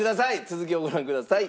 続きをご覧ください。